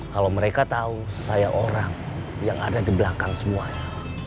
kalau mereka tahu saya orang yang ada di belakang semuanya